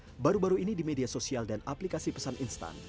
baru baru ini di media sosial dan aplikasi pesan instan